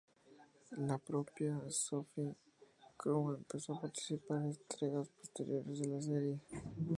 La propia Sophie Crumb empezó a participar en entregas posteriores de la serie.